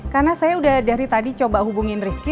karena saya udah dari tadi coba hubungin rizky